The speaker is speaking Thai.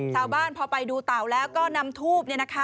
ชาวบ้านพอไปดูเต่าแล้วก็นำทูบ